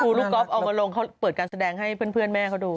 ลูกก๊อฟเอามาลงเขาเปิดการแสดงให้เพื่อนแม่เขาดู